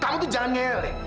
kamu tuh jangan ngelek